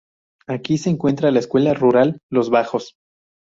Aquí se encuentra la escuela rural Los Bajos.